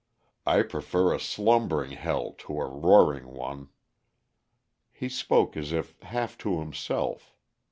I prefer a slumbering hell to a roaring one." He spoke as if half to himself.